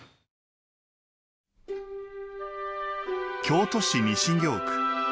京都市西京区。